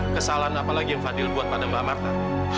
kesalahan apa lagi yang fadil buat pada mbak marta